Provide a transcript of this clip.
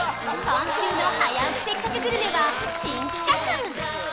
今週の「早起きせっかくグルメ！！」は新企画！